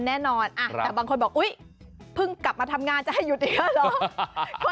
แต่บางคนบอกเพิ่งกลับมาทำงานจะให้หยุดอีกแล้วหรอ